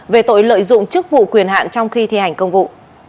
về tội lợi dụng chức vụ quyền hạn trong khi thi hành công vụ